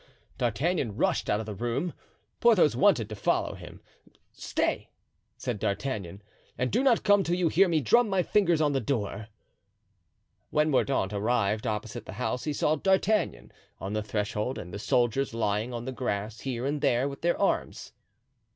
D'Artagnan rushed out of the room. Porthos wanted to follow him. "Stay," said D'Artagnan, "and do not come till you hear me drum my fingers on the door." When Mordaunt arrived opposite the house he saw D'Artagnan on the threshold and the soldiers lying on the grass here and there, with their arms.